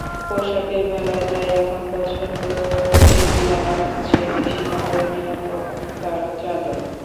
পোশাকের বেলায় তাই এখন পছন্দে এগিয়ে আছে দেশি কাপড়ের নিরাপত্তার চাদর।